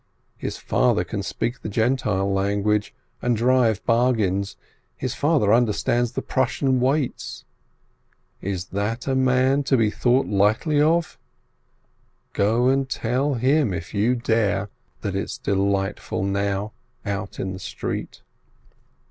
His father can speak the Gentile lan guage, and drive bargains, his father understands the Prussian weights. Is that a man to be thought lightly of? Go and tell him, if you dare, that it's delightful now out in the street.